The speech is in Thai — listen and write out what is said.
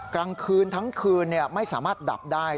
กลางคืนทั้งคืนไม่สามารถดับได้